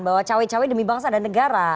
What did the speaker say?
bahwa cawe cawe demi bangsa dan negara